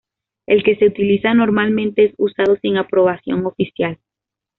El que se utiliza normalmente es usado sin aprobación oficial.